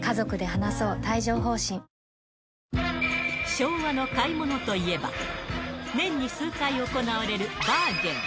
昭和の買い物といえば、年に数回行われるバーゲン。